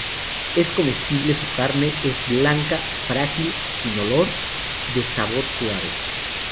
Es comestible, su carne es blanca, frágil y sin olor, de sabor suave.